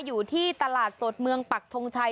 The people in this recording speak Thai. อยู่ที่ตลาดสดเมืองปักทงชัย